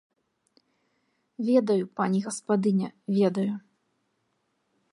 Ведаю, пані гаспадыня, ведаю.